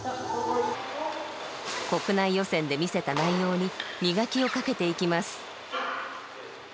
国内予選で見せた内容に磨きをかけていきます。